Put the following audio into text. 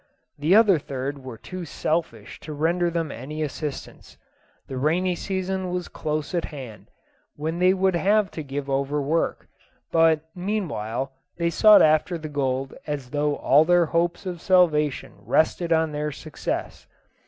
The other third were too selfish to render them any assistance. The rainy season was close at hand, when they would have to give over work, but meanwhile they sought after the gold as though all their hopes of salvation rested on their success.